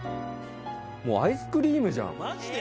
もうアイスクリームじゃん。